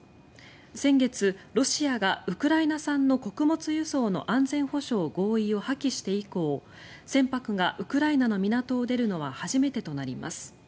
先月、ロシアがウクライナ産の穀物輸送の安全保障合意を破棄して以降船舶がウクライナの港を出るのは初めてとなります。